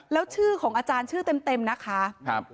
แล้วชื่อของอาจารย์ชื่อเต็มนะคะ